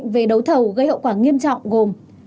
người đấu thầu gây hậu quả nghiêm trọng gồm